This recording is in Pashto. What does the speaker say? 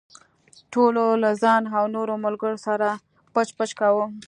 ټولو له ځان او نورو ملګرو سره پچ پچ کاوه.